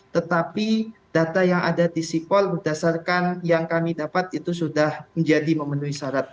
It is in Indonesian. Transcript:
tetapi data yang ada di sipol berdasarkan yang kami dapat itu sudah menjadi memenuhi syarat